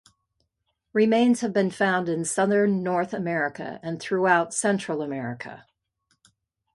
Remains have been found in southern North America and throughout Central America.